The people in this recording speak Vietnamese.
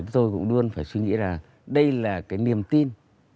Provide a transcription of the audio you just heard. tôi cũng luôn phải suy nghĩ là đây là cái niềm tin